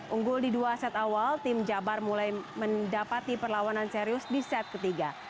unggul di dua set awal tim jabar mulai mendapati perlawanan serius di set ketiga